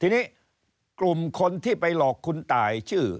ทีนี้กลุ่มคนที่ไปหลอกคุณตายชื่อ